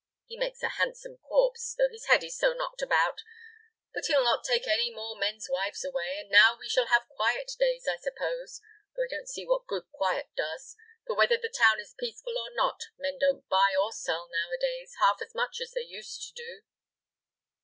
He makes a handsome corpse, though his head is so knocked about; but he'll not take any more men's wives away, and now we shall have quiet days, I suppose, though I don't see what good quiet does: for whether the town is peaceful or not, men don't buy or sell nowadays half as much as they used to do."